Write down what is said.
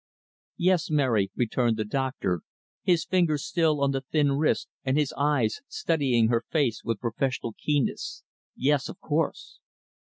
"Yes, Mary," returned the doctor, his fingers still on the thin wrist, and his eyes studying her face with professional keenness, "yes, of course."